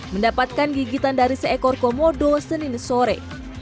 mendapatkan gigitan dari seekor komodo senin sore